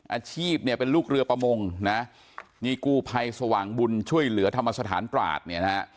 อาชีพเนี่ยเป็นลูกเรือประมงนะนี่กู้ภัยสว่างบุญช่วยเหลือธรรมสถานตราดเนี่ยนะฮะ